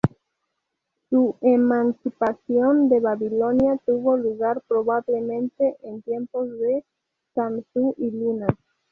Su emancipación de Babilonia tuvo lugar probablemente en tiempos de Samsu-iluna.